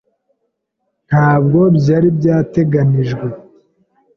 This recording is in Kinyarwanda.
Ntabwo byari byateganijwe